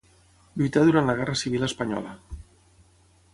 Lluità durant la Guerra civil espanyola.